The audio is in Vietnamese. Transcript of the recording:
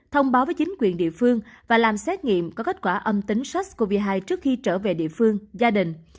thông báo với chính quyền địa phương và làm xét nghiệm có kết quả âm tính sars cov hai trước khi trở về địa phương gia đình